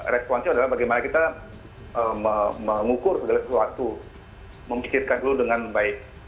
responsif adalah bagaimana kita mengukur segala sesuatu memikirkan dulu dengan baik